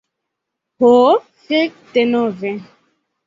Ho fek' denove!